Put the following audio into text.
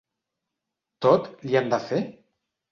Tot, li han de fer?